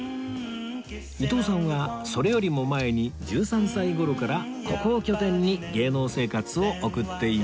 伊東さんはそれよりも前に１３歳頃からここを拠点に芸能生活を送っていました